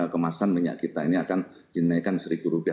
kemasan minyak kita ini akan dinaikkan seribu rupiah